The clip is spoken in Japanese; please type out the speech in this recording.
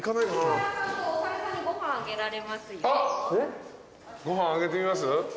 あっご飯あげてみます？